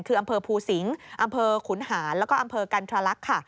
คืออำเภอภูศิงกรุงกัลอำเภอขุนหานฯแล้วก็อำเภอกันธลักษณ์